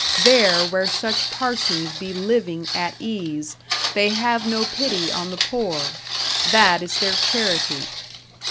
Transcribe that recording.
There where such parsons be living at ease They have no pity on the poor; that is their "charity".